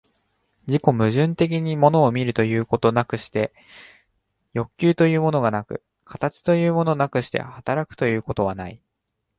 自己矛盾的に物を見るということなくして欲求というものがなく、形というものなくして働くということはない。